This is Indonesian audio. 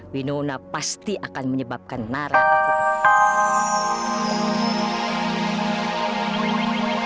winona pasti akan menyebabkan nara apapun